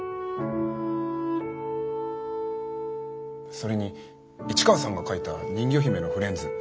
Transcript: それに市川さんが描いた人魚姫のフレンズ